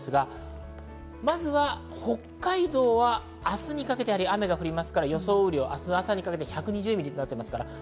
まずは北海道は明日にかけて雨が降りますから、予想雨量は明日朝にかけて１２０ミリとなっています。